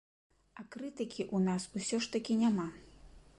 А крытыкі ў нас усё ж такі няма.